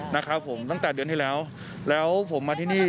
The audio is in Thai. นะครับผมตั้งแต่เดือนที่แล้วแล้วผมมาที่นี่